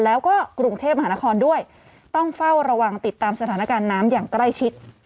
แล้วก็กรุงเทพมหานครด้วยต้องเฝ้าระวังติดตามสถานการณ์น้ำอย่างใกล้ชิด